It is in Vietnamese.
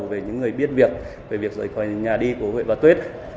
về những người biết việc về việc rời khỏi nhà đi của huệ và tuyết